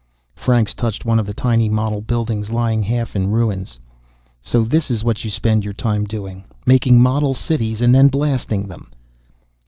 Franks touched one of the tiny model buildings, lying half in ruins. "So this is what you spend your time doing making model cities and then blasting them."